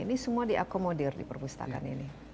ini semua diakomodir di perpustakaan ini